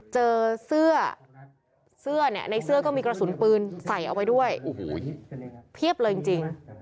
เจอเสื้อเสื้อเนี่ยในเสื้อก็มีกระสุนปืนใส่เอาไว้ด้วยโอ้โหเพียบเลยจริง